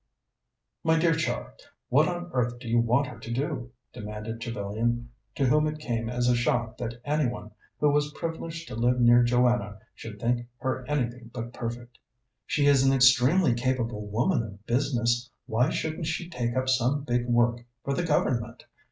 "My dear Char, what on earth do you want her to do?" demanded Trevellyan, to whom it came as a shock that any one who was privileged to live near Joanna should think her anything but perfect. "She is an extremely capable woman of business; why shouldn't she take up some big work for the Government?